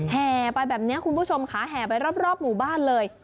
แห่ไปแบบนี้คุณผู้ชมค่ะแห่ไปรอบหมู่บ้านเลย